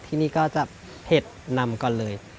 ที่นี่ก็จะเผ็ดนำก่อนเลย